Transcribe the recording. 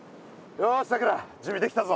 よしさくら準備できたぞ。